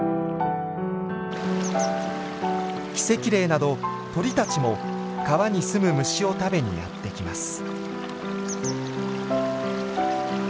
キセキレイなど鳥たちも川に住む虫を食べにやって来ます。